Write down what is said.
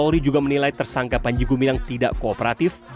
pak wori juga menilai tersangka panji gumilang tidak kooperatif